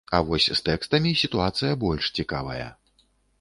А вось з тэкстамі сітуацыя больш цікавая.